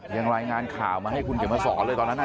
รายงานข่าวมาให้คุณเขียนมาสอนเลยตอนนั้น